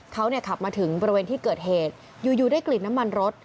เขาขับมาถึงบริเวณที่เกิดเหตุอยู่ได้กลิ่นน้ำมันรส